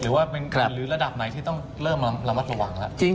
หรือว่ามันเป็นระดับไหนที่ต้องเริ่มระมัดระวัง